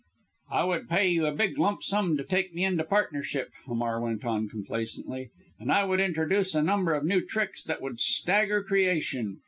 "I would pay you a big lump sum to take me into partnership," Hamar went on complacently, "and I would introduce a number of new tricks that would stagger creation.